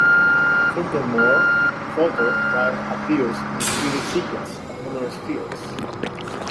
Furthermore Photo vahe appears in the credit sequence of numerous films.